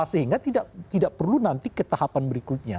sehingga tidak perlu nanti ketahuan berikutnya